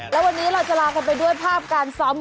แล้ววันนี้เราจะลากันไปด้วยภาพการซ้อม